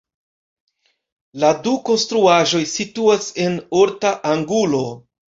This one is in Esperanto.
La du konstruaĵoj situas en orta angulo.